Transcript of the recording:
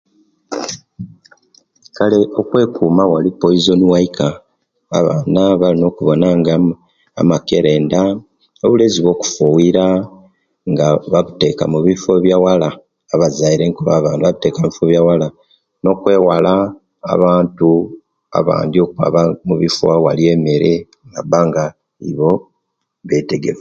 Kale okwekuma owaali poison waika abana balina okubona nga amakerenda obulezi obwokufuwira nga babuteka mubifo byawala abazaire kuba abana babiteka mubifo byawala no'kwewala abanti abandi okwaba mubifo owali emere nabanga iwo betege